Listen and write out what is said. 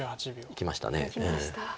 いきました。